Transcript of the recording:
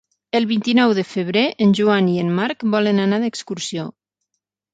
El vint-i-nou de febrer en Joan i en Marc volen anar d'excursió.